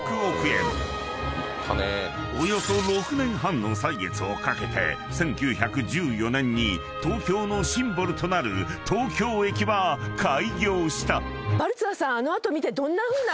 ［およそ６年半の歳月をかけて１９１４年に東京のシンボルとなる東京駅は開業した］